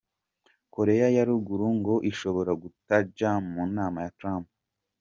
Korea ya ruguru ngo ishobora kutaja mu nama ya Trump .